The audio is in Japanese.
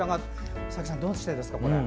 佐々木さん、どうしてですか？